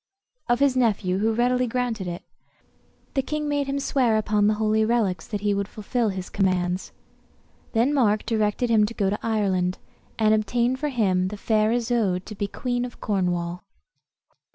] of his nephew, who readily granted it. The king made him swear upon the holy reliques that he would fulfil his commands. Then Mark directed him to go to Ireland, and obtain for him the fair Isoude to be queen of Cornwall.